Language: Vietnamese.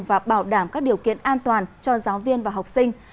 và bảo đảm các điều kiện an toàn cho giáo viên và học sinh